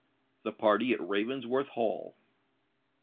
THE PARTY AT RAVENSWORTH HALL.